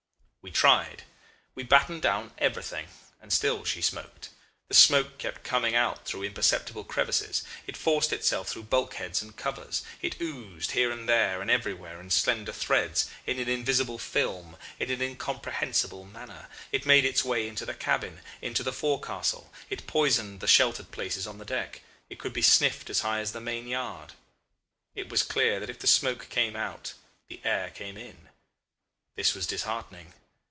"We tried. We battened down everything, and still she smoked. The smoke kept coming out through imperceptible crevices; it forced itself through bulkheads and covers; it oozed here and there and everywhere in slender threads, in an invisible film, in an incomprehensible manner. It made its way into the cabin, into the forecastle; it poisoned the sheltered places on the deck, it could be sniffed as high as the main yard. It was clear that if the smoke came out the air came in. This was disheartening.